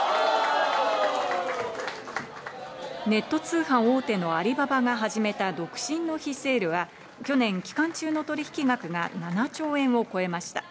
ネット通販大手のアリババが始めた独身の日セールは去年、期間中の取引額が７兆円を超えました。